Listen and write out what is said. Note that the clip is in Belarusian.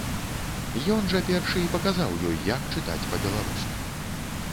Ён жа першы і паказаў ёй, як чытаць па-беларуску.